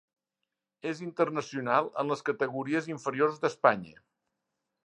És internacional en les categories inferiors d'Espanya.